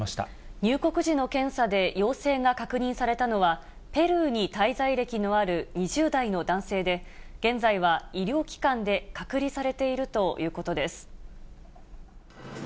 入国時の検査で陽性が確認されたのは、ペルーに滞在歴のある２０代の男性で、現在は医療機関で隔離されているということです。